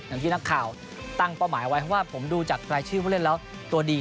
อย่างที่นักข่าวตั้งเป้าหมายไว้เพราะว่าผมดูจากรายชื่อผู้เล่นแล้วตัวดี